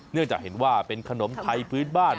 เนื่องจากเห็นว่าเป็นขนมไทยพื้นบ้าน